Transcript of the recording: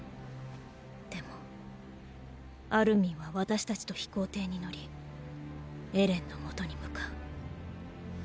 でもアルミンは私たちと飛行艇に乗りエレンのもとに向かう。